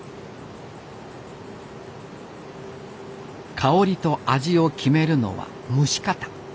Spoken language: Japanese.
香りと味を決めるのは蒸し方。